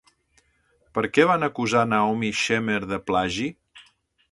Per què van acusar Naomi Shemer de plagi?